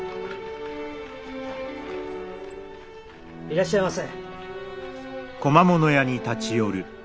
いらっしゃいませ。